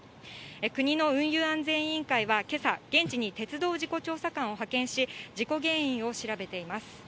国の運輸安全委員会は、けさ、現地に鉄道事故調査官を派遣し、事故原因を調べています。